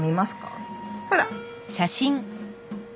ほら。